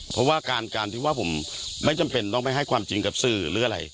เพราะว่าการการที่ว่าผมไม่จำเป็นต้องไปให้ความจริงกับสื่อหรืออะไร